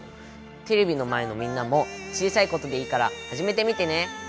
テレビの前のみんなも小さいことでいいからはじめてみてね！